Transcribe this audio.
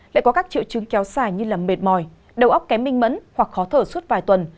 lại có các triệu chứng kéo dài như mệt mỏi đầu óc kém minh mẫn hoặc khó thở suốt vài tuần